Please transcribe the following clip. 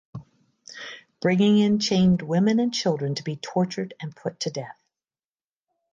Bringing in chained women and children to be tortured and put to death.